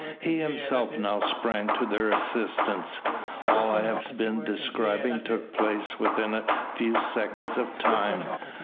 He himself now sprang to their assistance. All I have been describing took place within a few seconds of time.